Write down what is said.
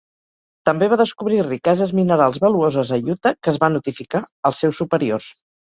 També va descobrir riqueses minerals valuoses a Utah que es va notificar als seus superiors.